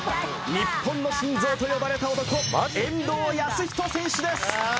日本の心臓と呼ばれた男遠藤保仁選手です